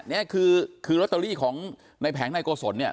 นี่คือลอตเตอรี่ของในแผงนายโกศลเนี่ย